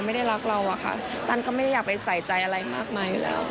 ไม่ได้รักเราอะค่ะตันก็ไม่ได้อยากไปใส่ใจอะไรมากมายอยู่แล้ว